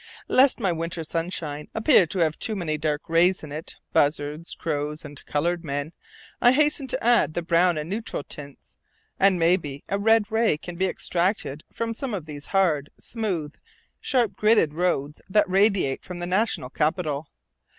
Lest my winter sunshine appear to have too many dark rays in it, buzzards, crows, and colored men, I hasten to add the brown and neutral tints; and maybe a red ray can be extracted from some of these hard, smooth, sharp gritted roads that radiate from the National Capital.